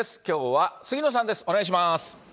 きょうは杉野さんです。